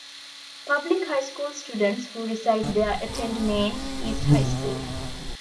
Public high school students who reside there attend Maine East High School.